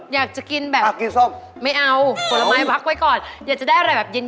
อยากจะได้อะไรแบบเย็น